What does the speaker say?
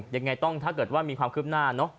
ยังไงต้องถ้าเกิดว่ามีความคืบหน้าเนอะ